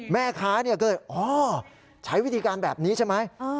แม่ค้าก็เลยอ๋อใช้วิธีการแบบนี้ใช่ไหม